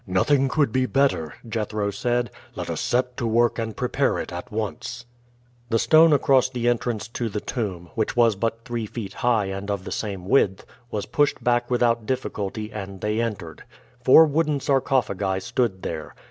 "Nothing could be better," Jethro said. "Let us set to work and prepare it at once." The stone across the entrance to the tomb, which was but three feet high and of the same width, was pushed back without difficulty and they entered. Four wooden sarcophagi stood there.